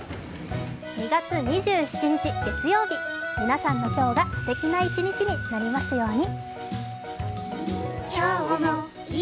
２月２７日月曜日、皆さんの今日がすてきな一日になりますように。